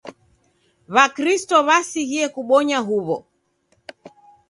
W'akristo w'asighie kubonya huw'o.